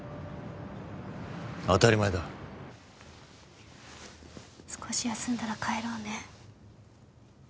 当たり前だ少し休んだら帰ろうね